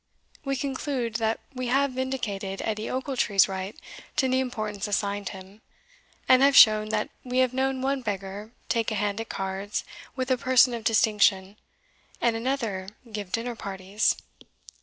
We conclude, that we have vindicated Edie Ochiltree's right to the importance assigned him; and have shown, that we have known one beggar take a hand at cards with a person of distinction, and another give dinner parties.